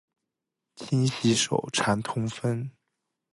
勤洗手，常通风。